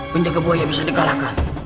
menjaga buaya bisa di kalahkan